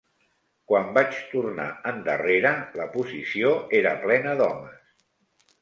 Quan vaig tornar endarrere, la posició era plena d'homes